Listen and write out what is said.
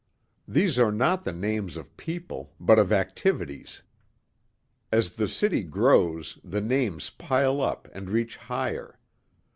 These are not the names of people but of activities. As the city grows the names pile up and reach higher.